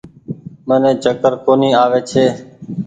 مني چڪر ڪونيٚ آوي ڇي۔